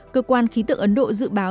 cơ quan khí tượng ấn độ dự báo